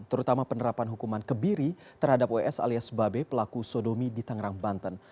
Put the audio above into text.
terutama penerapan hukuman kebiri terhadap ws alias babe pelaku sodomi di tangerang banten